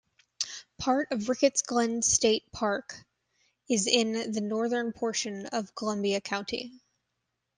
Part of Ricketts Glen State Park is in the northern portion of Columbia County.